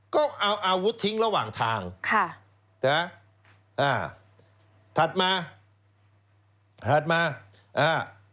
ก็เอาอาวุธทิ้งระหว่างทางค่ะนะอ่าถัดมาถัดมาอ่า